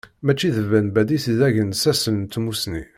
Mačči d Ben Badis i d agensas n tmusni.